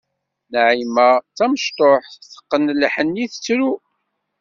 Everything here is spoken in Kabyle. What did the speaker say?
Naɛima d tamecṭuḥt, teqqen lḥenni, tettru.